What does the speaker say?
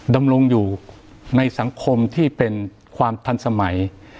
ดำรงอยู่ในสังคมที่เป็นความทันสมัย